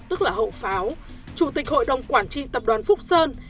tức là hậu pháo chủ tịch hội đồng quản trị tập đoàn phúc sơn